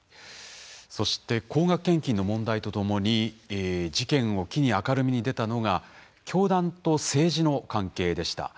そして高額献金の問題とともに事件を機に明るみに出たのが教団と政治の関係でした。